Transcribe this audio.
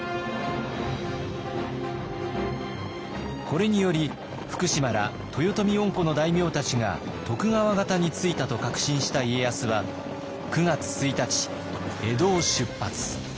これにより福島ら豊臣恩顧の大名たちが徳川方についたと確信した家康は９月１日江戸を出発。